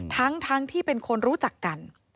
ทั้งที่เป็นคนรู้จักกัน